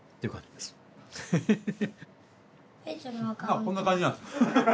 あこんな感じなんです。